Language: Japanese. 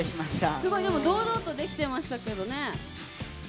すごいでも堂々とできてましたけどね。